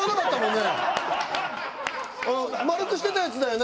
丸くしてたやつだよね？